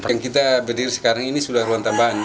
yang kita berdiri sekarang ini sudah ruang tambahan